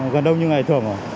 gần đông như ngày thường rồi